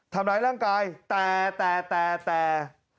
ทำร้ายร่างกายแต่แต่แต่แต่